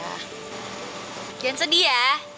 jangan sedih ya